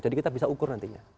jadi kita bisa ukur nantinya